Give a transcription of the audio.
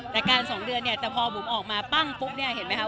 แต่การ๒เดือนเนี่ยแต่พอบุ๋มออกมาปั้งปุ๊บเนี่ยเห็นไหมครับ